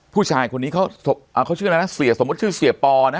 ผู้ชายคนนี้เขาชื่ออะไรนะเสียสมมุติชื่อเสียปอนะ